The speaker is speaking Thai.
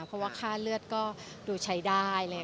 เพราะว่าค่าเลือดก็ดูใช้ได้